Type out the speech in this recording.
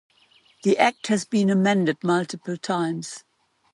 The Act has been amended multiple times.